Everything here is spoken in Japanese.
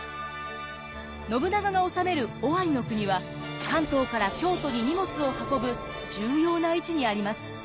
信長が治める尾張の国は関東から京都に荷物を運ぶ重要な位置にあります。